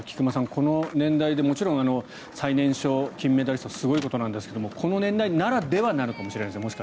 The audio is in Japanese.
この年代でもちろん最年少金メダリストはすごいことなんですけどこの年代ならではなのかもしれないですね。